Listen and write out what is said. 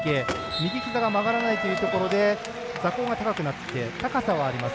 右ひざが曲がらないというところで座高が高くなって高さがあります。